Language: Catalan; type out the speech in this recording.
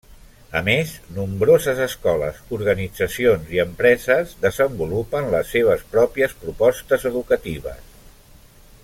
A més, nombroses escoles, organitzacions i empreses desenvolupen les seves pròpies propostes educatives.